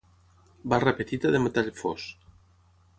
Barra petita de metall fos.